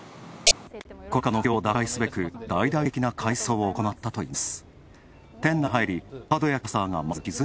コロナ禍の不況を打開すべく大々的な改装を行ったといいます。